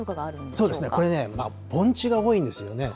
そうですね、これね、盆地が多いんですよね。